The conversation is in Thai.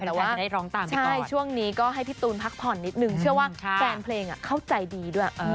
แต่ว่าช่วงนี้ก็ให้พี่ตูนพักผ่อนนิดนึงเชื่อว่าแฟนเพลงเข้าใจดีด้วย